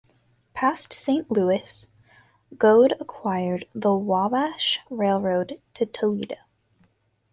Past Saint Louis, Gould acquired the Wabash Railroad to Toledo.